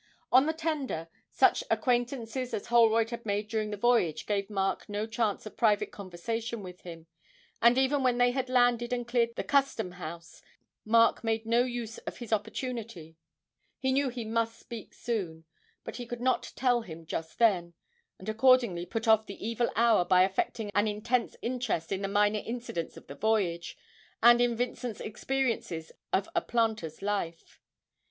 On the tender, such acquaintances as Holroyd had made during the voyage gave Mark no chance of private conversation with him, and even when they had landed and cleared the Custom House, Mark made no use of his opportunity; he knew he must speak soon, but he could not tell him just then, and accordingly put off the evil hour by affecting an intense interest in the minor incidents of the voyage, and in Vincent's experiences of a planter's life.